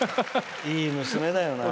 いい娘だよな。